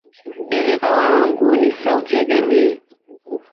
Dereva wangu ni sauti ya jamii.